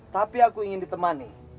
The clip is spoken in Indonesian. tapi aku ingin ditemani